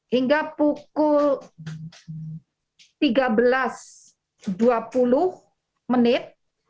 hingga pukul tiga belas dua puluh menit